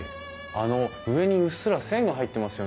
あの上にうっすら線が入ってますよね。